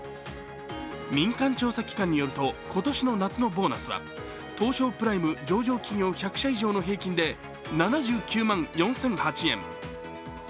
民間調査機関によると、今年の夏のボーナスは東証プライム上場企業１００社以上の平均で、７９万４００８円。